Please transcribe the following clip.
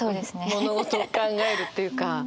物事を考えるというか。